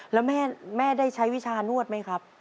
แล้วแม่ได้ใช้วิชานวดไหมครับ